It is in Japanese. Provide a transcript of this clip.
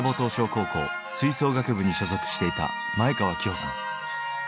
高校吹奏楽部に所属していた前川希帆さん。